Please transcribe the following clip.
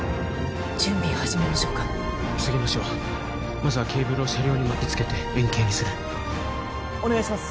準備始めましょうか急ぎましょうまずはケーブルを車両に巻きつけて円形にするお願いします